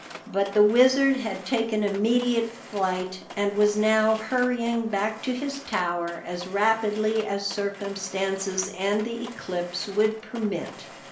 But the Wizard had taken immediate flight, and was now hurrying back to his tower as rapidly as circumstances and the eclipse would permit.